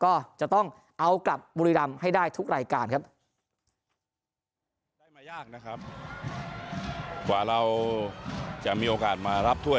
ก็จะต้องเอากลับบุรีรำให้ได้ทุกรายการครับ